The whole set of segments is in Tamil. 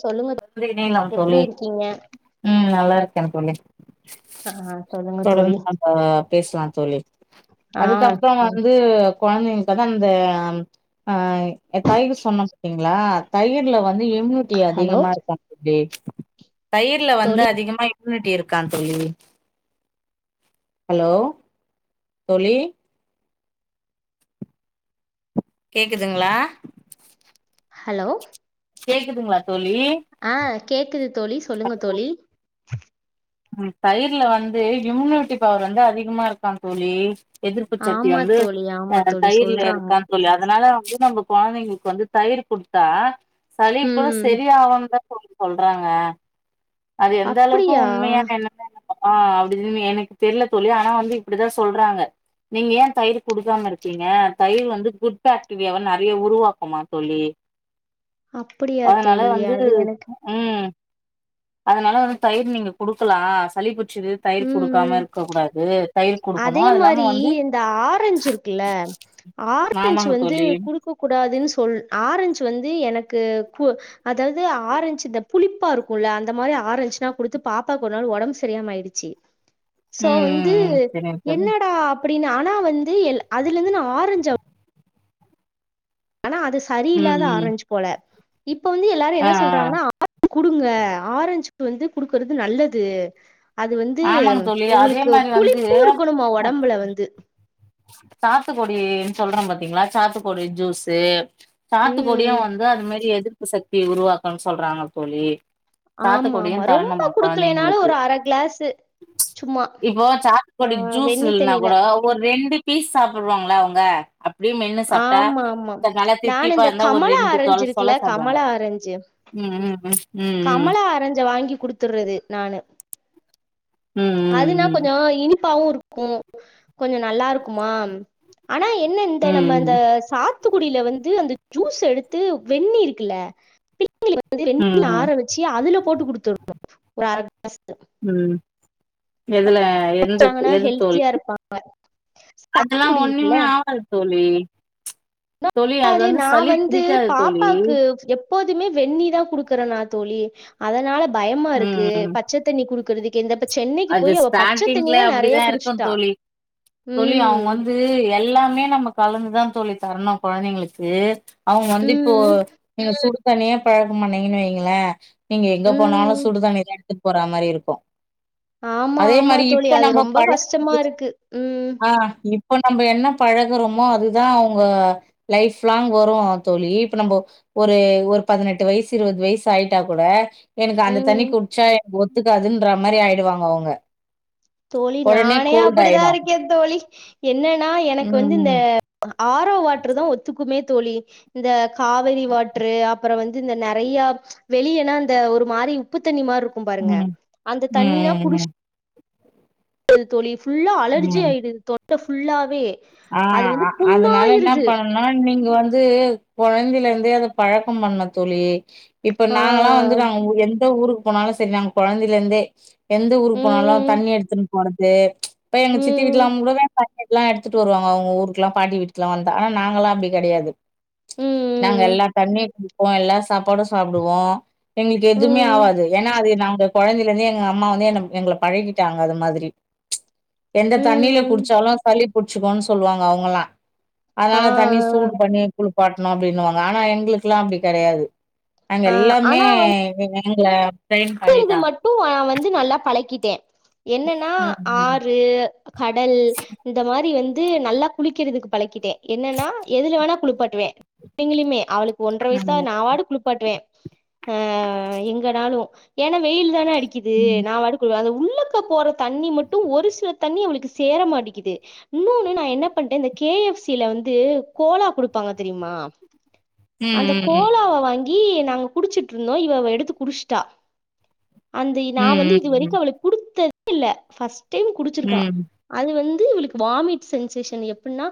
சொல்லுங்க சொல்லிக்கினே இருக்களா எப்டி தோழி இருக்கீங்க ம் நல்லா இருக்கே தோழி ஆ சொல்லுங்க தோழி தொடர்ந்து நாம பேச்லா தோழி ஆ அதுக்கப்புற வந்து கொழந்தைங்களுக்கு வந்து அந்த ஆ எ தயிரு சொன்ன பாத்தீங்களா தயிர்ல வந்து இம்யூனிட்டி ஹலோ அதிகமா இருக்காந் தோழி தயிர்ல வந்து தோழி அதிகமா இம்யூனிடி இருக்கா தோழி ஹலோ தோழி கேக்குதுங்ளா ஹலோ கேக்குதுங்ளா தோழி ஆ கேக்குது தோழி சொல்லுங்க தோழி ம் தயிர்ல வந்து இம்யூனிட்டி பவர் வந்து அதிகமா இருக்காந் தோழி எதிர்ப்பு சத்தி ஆமா வந்து தோழி அ ஆமா தோழி தயிர்ல சொல்றாங்க இருக்கா தோழி அதனால வந்து நம்ம கொழந்தைங்களுக்கு வந்து தயிர் குடுத்தா சளி கூட ம் செரி ஆவுந்தா தோழி சொல்றாங்க அது எந்த அளவுக்கு அப்டியா உண்மையா ஆ அப்டின் எனக்கு தெரில தோழி ஆனா வந்து இப்டிதா சொல்றாங்க நீங்க ஏ தயிர் குடுக்காம இருக்கீங்க தயிர் வந்து குட் பேக்டிரியாவ நெறைய உருவாக்குமா தோழி அப்டியா அதனால தோழி வந்து அது எனக்கு ம் அதனால வந்து தயிர் நீங்க குடுக்கலா சளி புட்ச்சிது தயிர் ம் குடுக்காம ம் இருக்க கூடாது தயிர் குடுக்கணு அதே அது இல்லாம மாரி வந்து இந்த ஆரஞ்சு இருக்குல்ல ஆமாங்க தோழி குக்க கூடாதுன் சொல் ஆரஞ்சு வந்து எனக்கு கு அதாவ்து ஆரஞ்சு இந்த புளிப்பா இருக்குல்ல அந்த மாரி ஆரஞ்சுனா குடுத்து பாப்பாக்கு ஒரு நாள் ஒடம்பு சரியாமயிடு ச்சி சோ ம் ம் வந்து ம் சரிங்க தோழி என்னடா அப்டினு ஆனா வந்து எல் அதுல இருந்து நா ஆரஞ்ச ஆனா அது ம் சரியில்லாத ம் ஆரஞ்சு போல இப்ப வந்து எல்லாரு ஆ என்ன சொல்றாங்கன்னா ஆ [inaudible] குடுங்க ஆரஞ்சுக் வந்து குடுக்கறது நல்லது அது வந்து ஆ ஆமாங்க தோழி அதே உங்களுக்கு மாரி வந்து புளிப்பு இருக்கணுமா ஒடம்புல வந்து சாத்துக்கொடி சொல்றம் பாத்தீங்ளா சாத்துக்கொடி ஜூஸு சாத்துக்கொடியு ம் வந்து அதுமாரி எதிர்ப்பு சத்தி உருவாக்குன் சொல்றாங்க தோழி ஆமா சாத்துக்கொடியு ஆமா ரொம்ப தரனும்மா குடுக்கலைனாலு கொழந்தைங்களுக்கு ஒரு அர கிளாஸு சும்மா இப்போ ஆ சாத்துக்கொடி ஜூஸ் வெண்ணி இல்லனா தண்ணில கூட ஒரு ரெண்டு பீஸ் சாப்புடுவாங்ளா அவுங்க ஆம்மாமா தித்திப்பா நானுந்த இருந்தா ஒரு கமலா ரெண்டு சொல சொல ஆரஞ்சிருக்குல்ல சாப்டுவாங்க கமலா ஆரஞ்சு ம் ம் ம் ம் கமலா ஆரஞ்ச வாங்கி குடுத்துறது நானு அதுனா ம் கொஞ்ச இனிப்பாவு இருக்கு கொஞ்ச நல்லா இருக்குமா ஆனா என்ன இந்த ம் ம் ம் நம்ம ம் அந்த சா த்துக்குடியில வந்து அந்த ஜூஸ் எடுத்து வெந்நி இருக்குல்ல பிள்ளைங்களுக்கு வந்து வெந்நி ம் ஆரவச் சி அதுல போட்டு குடுத்துர்ணு ஒரு அர க்ளாஸு ம் எதுல ந்த குடிச்சாங்கன்னா எது ஹெல்த்தியா தோழி இருப்பா அதெல்லா சாத்துக்குடி இருக்குல்ல ஒண்ணுமே ஆவாது தோழி தோழி அது முன்னாடியே வந்து நா சளி வந்து பிடிக்காது தோழி. பாப்பாக்கு எப் போதுமே வெந்நி தா குடுக்கற நா தோழி அதனால பயமா இருக்கு ம் பச்ச தண்ணி குடுக்கறது க்கே இந்தப்ப சென்னைக்கு அது போயி அவ பச்ச தண்ணி ஸ்டார்ட்டிங்ல தா நெறையா அப்டிதா இருக்கும் குடுச்ட்டா தோழி. தோழி அவுங்க வந்து எல்லாமே நமக் கலந்துதா தோழி தரணு கொழந்தைங்களுக்கு அவுங்க வந்து இப்போ ம் நீங்க சுடு தண்ணியே பழக்கம் பண்ணீங்கன் வெய்ங்களே நீங்க எங்க போனாலு ம் சுடுதண்ணிதா எடுத்துட்டு போற மாரி இருக்கு ஆமா அதே ஆமா மாரி தோழி இப்ப அது நம்ம ரொம்ப கஷ்டமா பழக்கறது இருக்கு ம் தா ஆ தோழி இப்ப நம்ப என்ன பழகுறோமோ அதுதா அவுங்க லைஃப் லாங் வரு தோழி இப்ப நம்போ ஒரு ஒரு பதினெட்டு வயசு இருவது வயசு ஆயிட்டா கூட எனக்கு அந்த ம் தண்ணி குடிச்சா எனக்கு ஒத்துக்காதுன்ற மாரி ஆயிடுவாங்க அவுங்க தோழி உடனே நானே கோல்ட் அப்டிதா ஆயிடும். இருக்க தோழி என்னனா ம், எனக்கு வந்து இந்த ம், ஆரோ வாட்டரு தா ஒத்துக்குமே தோழி இந்த காவேரி வாட்ரு அப்ற வந்து இந்த நெறயா வெளியனா இந்த ஒரு மாரி உப்பு தண்ணி மாரி இருக்கு பாருங்க ம், அந்த தண்ணினா குடிச் ம், தோழி ஃபுல்லா ம், ம். அலர்ஜி ஆயிடுது தொண்ட ஃபுல்லாவே ஆ அது வந்து அதுனால என்னா புண்ணாயிருது பண்ணனு மேம் நீங்க வந்து கொழந்தைலருந்தே அத பழக்க பண்ணு தோழி இப்ப ஆ நாங்கல்லா வந்து நாங்க எந்த ஊருக்கு போனாலு சரி நாங்க கொழந்தைலருந்தே எந்த ஊருக்கு போனாலு ம் தண்ணி எடுத்துன்னு போறது இப்ப எங்க சித்தி ம் வீட்டுலா கூடவே தண்ணி எல்லா எடு துட்டு வருவாங்க அவுங்க ஊருக்குலா பாட்டி வீட்டுக்குல்லா வந்தா ஆனா நாங்களா அப்டி கெடையாது நாங்க ம் எல்லா தண்ணி குடிப்போ எல்லா சாப்பாடு சாப்டுவோ எங்களுக்கு ம் எதுமே ம் ஆவாது ஏன்னா அது நாங்க கொழந்தைக் இருந்து எங்க அம்மா வந்து என்ன எங்கள பழகிட்டாங்க அது மாதிரி எந்த தண்ணில ம் குடிச்சாலு சளி புடிச்சுக்குன் சொல்லுவாங்க அவுங்கல்லா ஆ அதனால தண்ணி சூடூ பண்ணி குளிப்பாட்ணு அப்டின்னுவாங்க ஆனா எங்களுக்குல்லா அப்டி கெடையாது நாங்க ஆ ஆனா எல்லாமே எங்க பிரைன்ல ட்ரெயின் பண்ணிட்டோ அ மட்டு நா வந்து நல்லா பழக்கிட்ட என்னன்னா ம், ஆறு கடல் இந்த மாரி வந்து நல்லா குளிக்கிறதுக்கு பழக்கிட்ட என்னனா எதுல வேணா குளிப்பாட்டுவ எங்களுமே அவளுக்கு ஒன்ற வயசுதா ம், நா பாட்டுக்கு குளிப்பாட்டுவே ஆ எங்கனாலு ஏன்னா வெயில் தான அடிக்கு க்குது ம். நா வாட்டுக்கு வேல அந்த உள்ளக்க போற தண்ணி மட்டு ஒரு சில தண்ணி அவளுக்கு சேர மாட்டேக்குது இன்னொன்னு நா என்ன பண்ட்ட இந்த கேஎஃப்சில வந்து கோலா குடுப்பாங்க தெரிமா அந்த ம். கோலாவ வாங்கி நாங்க குடிச்சுட்டு இருந்தோ இவ எடுத்து குடிச்ட்டா அந்த நா வந்து ம், இதுவரைக்கு ம், அவளுக் குடுத்ததே இல்ல ஃபர்ஸ்ட் டைம் ம். குடிச்சிருக்கா ம், அது வந்து இவளுக்கு வாமிட் சென்சேஷன் எப்டின்னா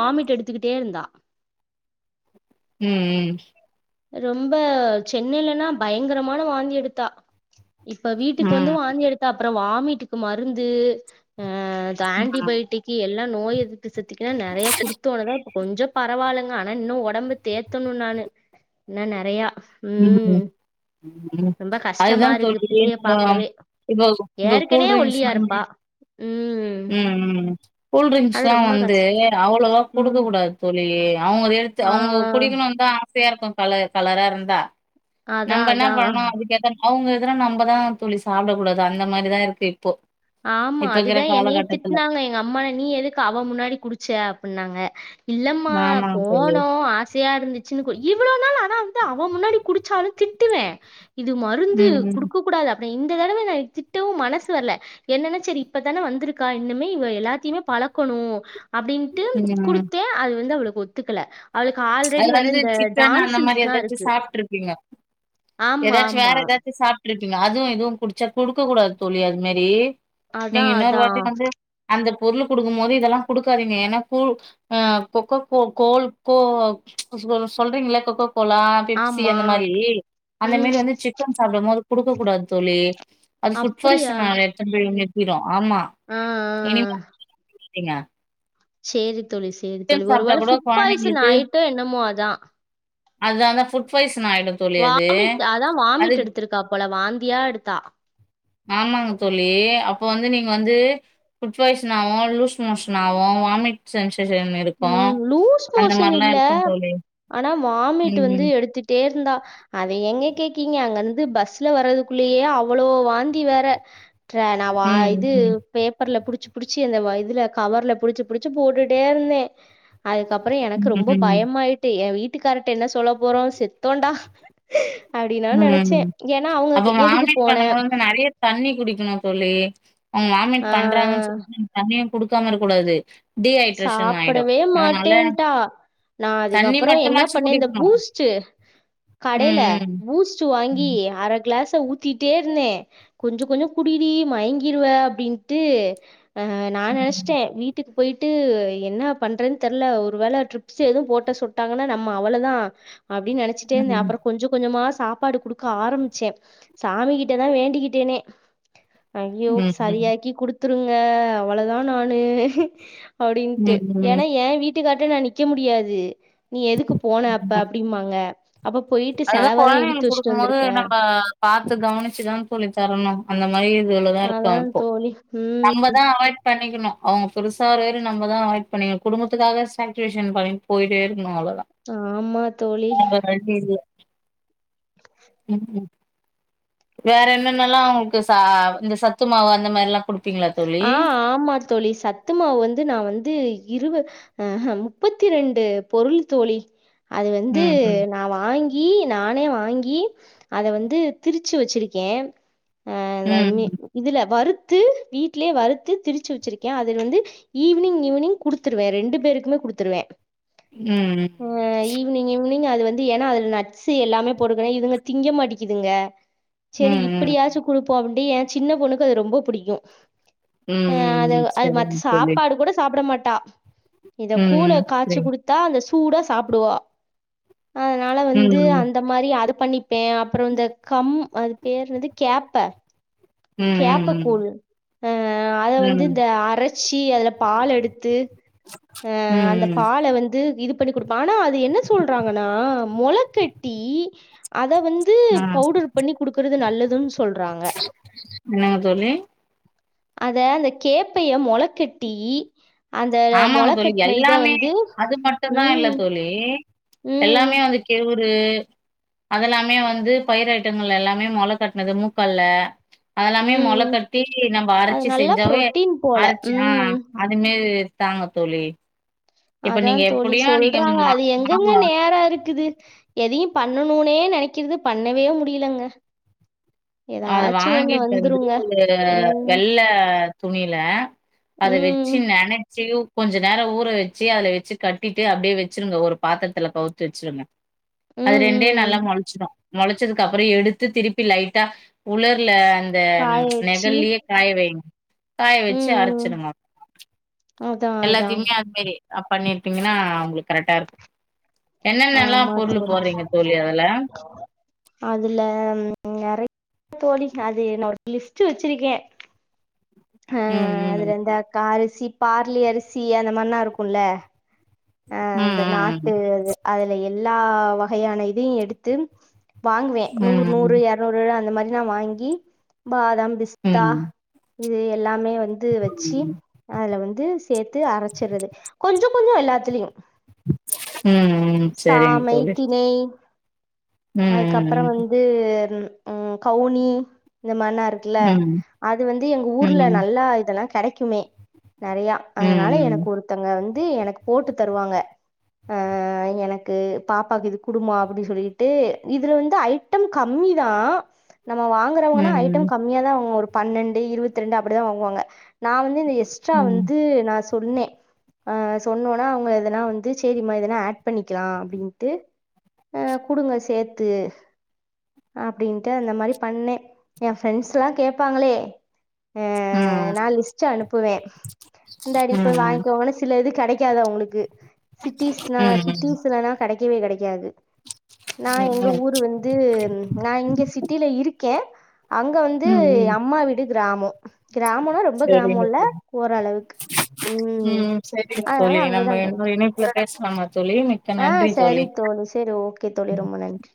வாமிட் எடுத்துக்கிட்டே இருந்தா ம் ரொம்ப சென்னைலனா பயங்கரமான வாந்தி எடுத்தா இப்ப ம். வீட்டுக்கு ம், வந்து வாந்தி எடுத்தா அப்ற வாமிட்டுக்கு மருந்து அ ஆன்டிபயோட்டிக் எல்லா நோய் எதிர்ப்பு சத்திக்குன்னா நெறய குடுத்த உடனேதா கொஞ்சோ பரவால்லங்க ஆனா இன்னு உடம்பு தேத்தணு நானு இன்னு நெறயா அதுதா கஷ்டமா இருக்கு தோழி பிள்ளைய மீண்டுமா பாக்கவே இதோ இந்த ஏற்கனே கூல்ட்ரிங்க்ஸ் ஒல்லியா வந்து இருப்பா ம் ம் அது கூல்ட்ரிங்க்ஸ்ல்லா ரொம்ப வந்து கஷ் அவ்ளோவா குடுக்க ம் கூடாது தோழி அவங்க எடுத்து ஆ அவங்க குடிக்கணுன் தா ஆசையா இருக்கு கலர் கலரா இருந்தா அதா நம்ம என்ன அதா பண்ணணு அதுக்கேத்த அவங்க எதுர நம்மதா தோழி சாப்ட கூடாது அந்த மாரிதா இருக்கு இப்போ ஆமா இப்ப இருக்கிற அதுதா என்னயே காலகட்டத்துல. திட்னாங்க எங்க அம்மா நீ எதுக்கு அவ முன்னாடி குடிச்ச அப்டின்னாங்க இல்லம்மா ஆமாங்க தோழி. போனோ ஆசையா இருந்துச்சு சின்ன கு இவ்ளோ நாள் ஆனா வந்து அவன் முன்னாடி குடிச்சாலு திட்டுவே இது மருந்து ம், குடுக்க கூடாது அப்ப இந்த தடவ நா திட்டவு மனசு வரல என்னனா சரி இப்பதான வந்திருக்கா இன்னுமே இவ எல்லாத்தையுமே பழக்கணு அப்படின்ட்டு ம், ம். குடுத்த அது வந்து அவளுக்கு ஒத்துக்கல அவளுக்கு அது ஆல்ரெடி வேற வந்து இந்த சிக்கன் டான் அந்த மாரி சிம்ஸ்லாம் எதாச்சு இருக்கு. சாப்ட்ருப்பிங்க ஆமா, எதாச்சு வேற ஆமா. எதாச்சு சாப்ட் ருப்பிங்க அதுவு இதுவு குடிச்சா குடுக்க கூடாது தோழி அது மேரி நீங்க அதான், இன்னொரு வாட்டி அதான். வந்து அந்த பொருள் குடுக்கும் போது இதெல்லா குடுக்காதீங்க ஏன்னா கூல் ஆ கொக்கக்கோ கோல் கோ சொல்றீங்கள கொக்க கோலா பெப்சி ஆமா. அந்த மாரி அந்த மேரி ம். வந்து சிக் சாப்டும் போது குடுக்க கூடாது தோழி அது ஃபுட் அப்படியா? பாய்சன் ஆ எடுத்துட் போய் நிறுத்திறு ஆமா ம் ம் இனிமே [inaudible] ங்க சேரி தோழி சேரி தோழி சாப்ட்டா ஒருவேள கூட ஃபுட் பாய்சன் கொழந்தைங்களுக்கு ஆயிட்டோ என்னமோ அதா அதா அதா ஃபுட் பாய்சன் ஆயிடு தோழி அது வாமிட் அதா வாமிட் அதுக்கு எடுத்திருக்கா போல வாந்தியா எடுத்தா ஆமாங்க தோழி அப்ப வந்து நீங்க வந்து ஃபுட் பாய்ஷன் ஆவு லூஸ் மோஷன் ஆவு வாமிட் சென்சேஷன் இருக்கு ம் லூஸ் அந்த மோஷன் மார்லா இல்ல. இருக்கு தோழி ஆனா வாமிட் ம் வந்து ம் எடுத்துட்டே இருந்தா அத ஏங்க கேக்கீங்க அங்க இருந்து பஸ்ல வர்றதுக்குள்ளயே அவ்ளோ வாந்தி வேற ற நா வா ம் இது ம் பேப்பர்ல புடிச்சு புடிச்சு அந்த வ இதுல கவர்ல புடிச்சு புடிச்சு போட்டுட்டே இருந்தே அதுக்கப்புற எனக்கு ம் ரொம்ப பயமாயிட்டு எ வீட்டுக்கார்ட என்ன சொல்ல போறோ செத்தோண்டா அப்படினா ம் நெனைச்சே ம் ஏன்னா அவங்க அப்ப எதுக்கு வாமிட் போன பண்ணும்போது வந்து நெறைய தண்ணி குடிக்கணு தோழி அவங்க வாமிட் ஆ பண்றாங்கன் ஆ சொல்லி தண்ணியு குடுக்காம இருக்க கூடாது சாப்படவே மாட்டேன்டா நா தண்ணி அதுக்கப்புற என்னா மட்டுமாச்சும் பண்ணே இந்த குடிக்கணும். பூஸ்டு கடைல ம், பூஸ் ச்ச வாங்கி ம். அர க்ளாஸ ஊத் திட்டே இருந்தே கொஞ்ச கொஞ்ச குடிடி மயங்கிறுவ அப்டின்ட்டு அ நா ம். நெனச்டே வீட்டுக்கு ட்டு என்ன பண்றன் தெர்ல ஒரு வேள ட்ரிப்ஸ் எதுவு போட்ட சொட்டாங்கன்னா நம்ம அவ்ளதா அப்டின் நெனைச்டே இருந்தே ம். அப்ற கொஞ்ச கொஞ்சமா சாப்பாடு குடுக் க ஆரம்பிச்சே சாமி கிட்டதா வேண்டிக்கிட்டேனே ஐயோ ம். ம். சரியாக்கி குடுத்துருங்க அவ்வளதா நானு அப்டின்ட்டு ம். ம். ஏன்னா ஏ வீட்டுக்கார்ட்ட நா நிக்க முடியாது நீ எதுக்கு போன அப்ப ம். அப்டிம்மாங்க அப்ப போய்ட்டு அதுதான் செலவதா இழுத்து குழந்தைங்களுக்கு வச்சிட்டு குடுக்கும்போது வந்திருக்க நம்ம பாத்து கவனிச்சுதா தோழி தரணு அந்த மாரி இது இவ்ளதா இருக்கு அதா இப்போ தோழி ம் நம்ப தா அவாய்ட் பண்ணிக்கணு அவங்க பெருசா ஒரு ஒரு நம்பதா அவாய்ட் பண்ணிக்கணு குடும்பத்துக்காக சேக்ரீப்பேஷன் பண் போய்ட்டே இருக்கனு அவ்ளோத ஆமா தோழி இல்ல [inaudible] ஆமா வேற என்னென்னல்லா அவனக்கு ச இந்த சத்து மாவு அந்த மார்லா குடுத்து ஆ ஆமா தோழி சத்துமாவு வந்து நா வந்து இருவது அ ஹ முப்பத்தி ரெண்டு பொருள் தோழி அது வந்து ம், ம். நா வாங்கி நானே வாங்கி அத வந்து திருச்சு வச்சிருக்கே அ இந்த மீ ம், இதுல வறுத்து வீட்லயே வறுத்து திரிச்சு வச்சிருக்கே அது வந்து ஈவினிங் ஈவினிங் குடுத்துருவே ரெண்டு பேருக்குமே குடுத்துருவே ம் ம் னி் அது வந்து ஏன்னா அதுல ஈவினிங் அது வந்து ஏன்னா நட்ஸ் எல்லாமே போடுக்கே இதுக திங்க மாட்டிங்குதுங்க ம், சரி ம். இப்படியாச்சு குடுப்போ அப்பட என் சின்ன பொண்ணக்கு அது ரொம்ப புடிக்கு ம், ம். ம், அ ம், அது ம். அது மத்த சரிங்க தோழி. சாப்பாடு கூட சாப்பிட மாட்டா இந்த ம், கூல ம். காய்ச்சு சரிங்க. குடுத்தா அந்த சூடா சாப்புடுவா அதனால வந்து ம், ம். அந்த அது மாரி அது பண்ணிப்பே அப்பற இந்த கம் அது பேர் என்னது கேப்ப ம், ம், கேப்பக்கூழ் ஆ அத ம். வந்து ம். இந்த அரைச்சி அதுல பால் எடுத்து ஆ அந்த ம், ம். பால வந்து இது பண்ணி குடுப்ப ஆனா அது என்ன சொல்றாங்கன்னா மொளக்கட்டி அத வந்து ஆ. பவுடர் பண்ணி குடுக்கறது நல்லதுன் சொல்றாங்க என்னாங்க தோழி அத அந்த கேப்பைய மொளக்கட்டி அந்த ஆமாங்க மொள தோழி கட்ன இத எல்லாமே வந்து அது மட்டுந்தா இல்ல ம் தோழி ம் எல்லாமே வந்து கேழ் ஒரு அதெல்லாமே வந்து பயிர் ஐட்டங்கள் எல்லாமே மொள கட்னது மூக்கால்ல அதெல்லாமே ம் மொள கட்டி நம்ம அது அரைச்சி நல்லா செஞ்சாவே புரோட்டீன் போல அரைச்சி ஆ ம் அதுமாரி தாங்கத்தோழி அதா தோழி சொல்றாங்க மா அது எங்கெங்க மாவு நேர இருக்குது எதையு பண்ணணுனே நெனைக்கிறது பண்ணவே முடியலங்க அத ஏதாச்சு ஒண்ணு வாங்கிட்டு வந்து வந்துருங்க ஒரு ம், வெள்ள துணியில ம், அத வச்சு ம். நனைச்சு கொஞ்ச நேர ஊற வச்சு அல வச்சு கட்டிட்டு அப்படியே வச்சுருங்க ஒரு பாத்திரத்துல கவுத்து வச்சுருங்க அது ரெண்டே நல்லா ம். மொளச்சிரு மொளச்சதுக்கப்பற எடுத்து திருப்பி லைட்டா உலர்ல அந்த காய வச்சு நெகல்லயே காய வய்ங்க காய வச்சு ம். அரைச்சிடுங்க அதான், அதான். எல்லாத்தையுமே அது மாரி பண்ணிருப்பிங்கனா அவங்களுக்கு கரெக்டா இருக்கு என்னென்னல்லா ஆமா பொருளு தோழி. போறீங்க தோழி அதுல அதுல நெறைய தோழி அது என்னோட லிஸ்ட்டு வச்சிருக்கே ஆ ம் அதுல இந்த கா அரிசி பார்லி அரிசி அந்த மார்லா இருக்கும்ல அ ம் இந்த ம் நாட்டு ம் அது அதுல எல்லா வகையான இதையு எடுத்து வாங்குவே நூற் ம் நூறு ஏறநூறு அந்த மாரிலா வாங்கி பாதாம் பிஸ்தா ம் இது எல்லாமே வந்து ம் வச்சு ம் அதுல வந்து சேத்து அரச்சர்றது கொஞ்சோ கொஞ்சோ எல்லாத்துலயு ம் ம் செரிங் தோழி ம் அதுக்கப்பறோ ம் வந்து ம் கவுனி இந்த மார்லா இருக் குல ம் ம் அது வந்து எங்க ஊர்ல ம் நல்லா இதெல்லா கெடைக்குமே நெறையா ம் அதனால ம் எனக்கு ஒருத்தங்க வந்து எனக்கு போட்டு தருவாங்க அ எனக்கு பாப்பாக்கு இது குடுமா அப்டின் சொல்லிட்டு இதுல வந்து ஐட்டம் கம்மிதா நம்ம ம் ம் வாங்குறவங்கன்னா ம் ஐட்டம் கம்மியா தா வாங்க ஒரு பன்னெண்டு இருவத்தி ரெண்டு அப்டிதா வாங்குவாங்க நா வந்து இங்க எக்ஸ்ட்ரா ம் வந்து நா சொன்னே ஆ சொன்னனா அவங்க இதெல்லா வந்து சரிம்மா இதலா ஆட் பண்ணிக்லா அப்டின்ட்டு அ குடுங்க சேத்து அப்டின்ட்டு அந்த மாரி பண்ணே எ ஃப்ரெண்ட்ஸ்லா கேப்பாங்ளே அ ம் நா லிஸ்ட்டு அனுப்புவே இந்தாடி போய் ம் வாய்ங்கோங்கனு சில இது கெடைக்காது அவுங்ளுக் கு சிட்டிஸ்னா சிட்டிஸ்லனா கடைக்கவே கடைக்காது நா எங்க ம், ஊரு வந்து நா இங்க சிட்டில இருக்கே அங்க வந்து ம். அம்மா வீடு கிராமோ கிராமோனா ரொம்ப சரிங்க கிராமோல்ல தோழி ஓரளவுக்கு ம் சரிங்க அதனால தோழி நம்ப அங்கதா கெடைக்கு இன்னொரு இணைப்புல பேசலாமா தோழி மிக்க ஆ நன்றி சரி தோழி சரி ஓகே தோழி ரொம்ப நன்றி